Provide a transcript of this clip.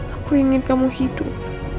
aku ingin kamu hidup